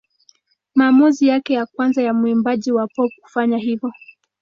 Maamuzi yake ya kwanza ya mwimbaji wa pop kufanya hivyo.